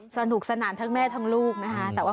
สนุกสนานทั้งแม่ทั้งลูกนะคะ